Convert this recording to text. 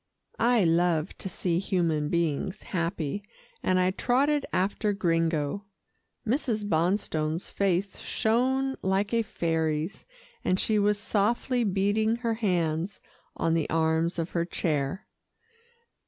I love to see human beings happy, and I trotted after Gringo. Mrs. Bonstone's face shone like a fairy's, and she was softly beating her hands on the arms of her chair.